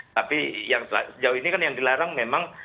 tapi yang sejauh ini kan yang dilarang memang